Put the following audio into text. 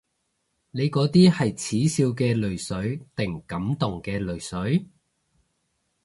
你嗰啲係恥笑嘅淚水定感動嘅淚水？